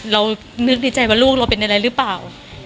เรานึกในใจว่าลูกเราเป็นอะไรหรือเปล่า